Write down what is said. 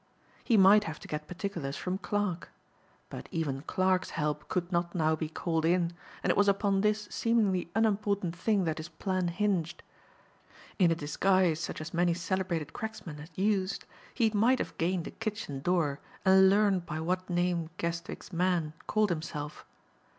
He might have to get particulars from Clarke. But even Clarke's help could not now be called in and it was upon this seemingly unimportant thing that his plan hinged. In a disguise such as many celebrated cracksmen had used, he might have gained a kitchen door and learned by what name Guestwick's man called himself.